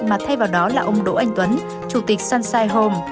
mà thay vào đó là ông đỗ anh tuấn chủ tịch sunshine home